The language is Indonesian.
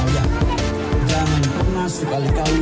yang pernah sekali kali